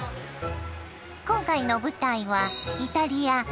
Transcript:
今回の舞台はイタリア・ローマ。